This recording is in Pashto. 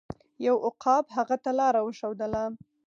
یو عقاب هغه ته لاره وښودله.